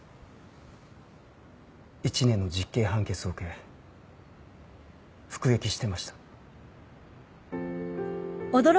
１年の実刑判決を受け服役してました。